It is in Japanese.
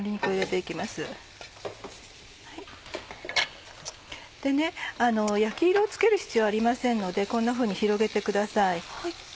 でね焼き色をつける必要ありませんのでこんなふうに広げてください。